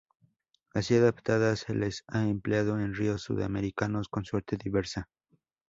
Así adaptadas, se las ha empleado en ríos sudamericanos, con suerte diversa.